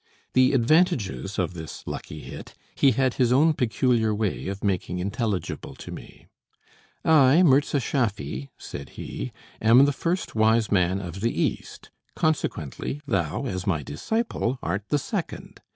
The advantages of this lucky hit he had his own peculiar way of making intelligible to me. "I, Mirza Schaffy," said he, "am the first wise man of the East! consequently thou, as my disciple, art the second.